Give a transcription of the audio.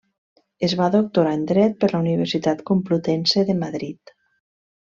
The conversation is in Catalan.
Es va doctorar en Dret per la Universitat Complutense de Madrid.